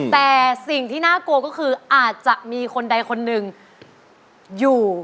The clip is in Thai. แต่สิ่งที่น่ากลัวก็คืออาจจะมีคนใดคนหนึ่งอยู่